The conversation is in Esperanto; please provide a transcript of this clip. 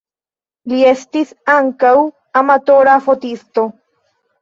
Li estis ankaŭ amatora fotisto.